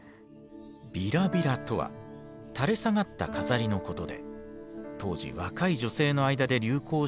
びらびらとは垂れ下がった飾りのことで当時若い女性の間で流行した形だそう。